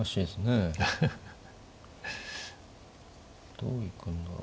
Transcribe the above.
どう行くんだろう。